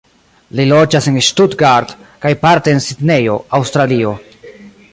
Li loĝas en Stuttgart kaj parte en Sidnejo, Aŭstralio.